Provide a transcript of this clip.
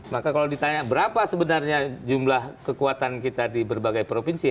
maka kalau ditanya berapa sebenarnya jumlah kekuatan kita di berbagai provinsi